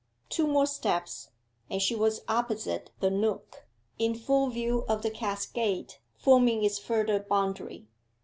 Two more steps, and she was opposite the nook, in full view of the cascade forming its further boundary.